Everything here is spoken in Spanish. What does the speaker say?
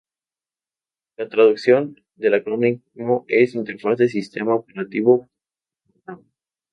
La traducción del acrónimo es "Interfaz de Sistema Operativo Portable".